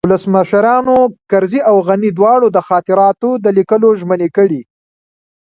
ولسمشرانو کرزي او غني دواړو د خاطراتو د لیکلو ژمني کړې